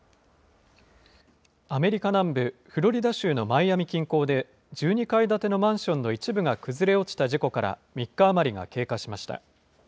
アメリカ南部フロリダ州のマイアミ近郊で、１２階建てのマンションの一部が崩れ落ちた事故から３日余りが経過しました。